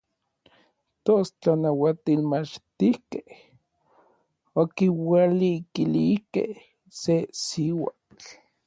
Tos n tlanauatilmachtijkej okiualikilijkej se siuatl.